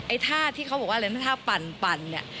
ท่าที่เขาบอกว่าอะไรนะท่าปั่นเนี่ย